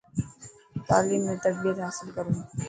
تعليم ۾ تربيت حاصل ڪرو.